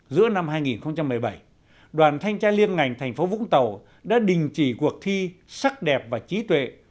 giữa năm hai nghìn một mươi bảy đoàn thanh tra liên ngành thành phố vũng tàu đã đình chỉ cuộc thi sắc đẹp và trí tuệ